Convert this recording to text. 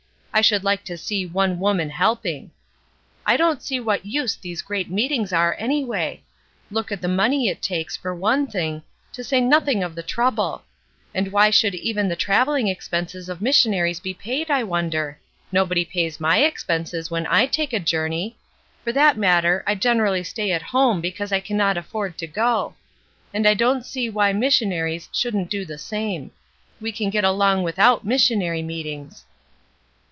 I should like to see one woman helping! I don't see what use these great meetings are anjnvay! Look at the money it takes, for one thing, to 354 ESTER RIED'S NAMESAKE say nothing of the trouble. And why should even the travelling expenses of misaonaries be paid, I wonder? Nobody pays my expenses when I take a journey; for that matter, I gen erally stay at home because I cannot afford to go; and I don't see why missionaries shouldn't do' the same. We can get along without mis aonary meetings."